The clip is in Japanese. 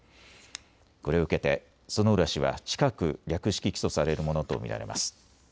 これを受けて薗浦氏は近く略式起訴されるものと見られます。